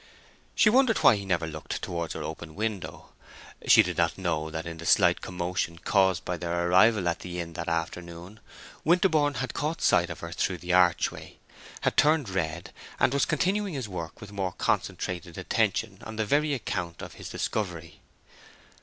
She wondered why he never looked towards her open window. She did not know that in the slight commotion caused by their arrival at the inn that afternoon Winterborne had caught sight of her through the archway, had turned red, and was continuing his work with more concentrated attention on the very account of his discovery.